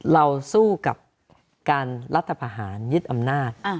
เราสู้กับการรัฐพาหารยึดอำนาจ